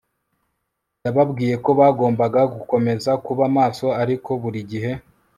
yababwiye ko bagombaga gukomeza kuba maso ariko buri gihe